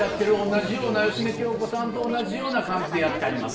同じような芳根京子さんと同じような感じでやってはります。